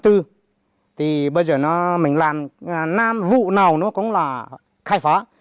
thì bây giờ nó mình làm nam vụ nào nó cũng là khai phá